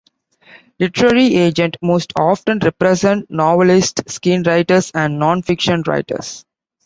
Literary agents most often represent novelists, screenwriters and non-fiction writers.